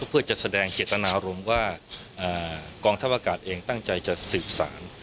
เพื่อจะแสดงเจตนารมณ์ว่ากองทัพอากาศเองตั้งใจจะสืบสาร